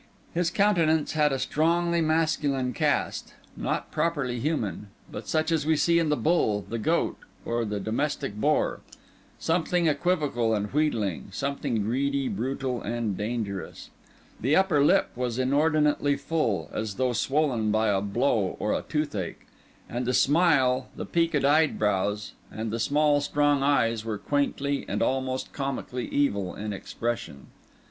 His countenance had a strongly masculine cast; not properly human, but such as we see in the bull, the goat, or the domestic boar; something equivocal and wheedling, something greedy, brutal, and dangerous. The upper lip was inordinately full, as though swollen by a blow or a toothache; and the smile, the peaked eyebrows, and the small, strong eyes were quaintly and almost comically evil in expression.